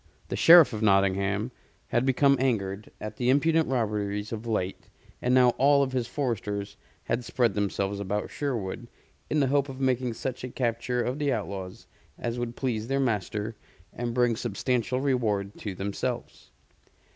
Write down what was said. The Sheriff of Nottingham had become angered at the impudent robberies of late, and now all of his foresters had spread themselves about Sherwood in the hope of making such a capture of the outlaws as would please their master and bring substantial reward to themselves.